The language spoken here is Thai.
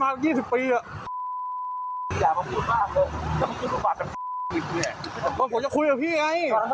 ไม่เคยครับผมขับรถมา๒๐ปีอ่ะ